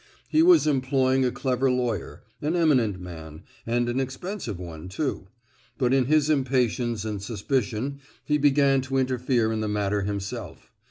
He was employing a clever lawyer—an eminent man, and an expensive one, too; but in his impatience and suspicion he began to interfere in the matter himself.